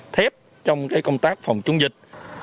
thép trong cái công tác phòng chống dịch